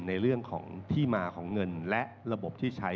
ในเรื่องของที่มาของเงินและระบบที่ใช้